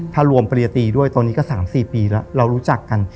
ถ้ารวมปริยตีด้วยตอนนี้ก็๓๔ปีแล้วเรารู้จักกัน